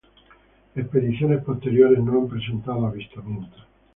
Expediciones posteriores no han presentado avistamientos.